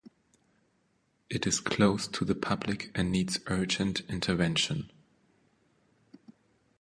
It is closed to the public and needs urgent intervention.